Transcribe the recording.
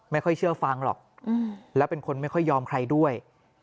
ไม่ค่อยเชื่อฟังหรอกแล้วเป็นคนไม่ค่อยยอมใครด้วย